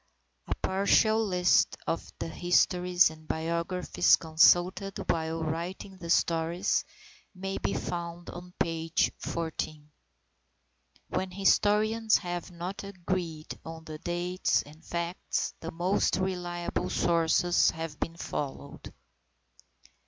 A partial list of the histories and biographies consulted while writing the stories, may be found on page xiv. When historians have not agreed as to dates and facts, the most reliable sources have been followed.